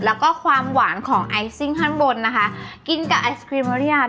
แล้วก็ความหวานของไอซิ่งข้างบนนะคะกินกับไอศครีมอริยาท